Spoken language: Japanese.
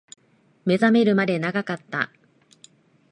目覚めるまで長かった